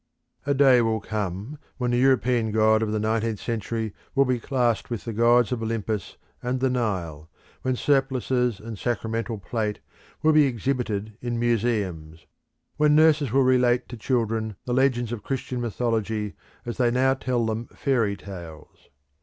A day will come when the European God of the nineteenth century will be classed with the gods of Olympus and the Nile; when surplices and sacramental plate will be exhibited in museums; when nurses will relate to children the legends of the Christian mythology as they now tell them fairy tales.